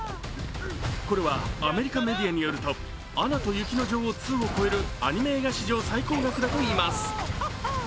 これはアメリカメディアによると「アナと雪の女王２」を超えるアニメ映画史上最高額だといいます。